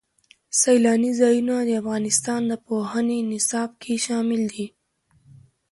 سیلانی ځایونه د افغانستان د پوهنې نصاب کې شامل دي.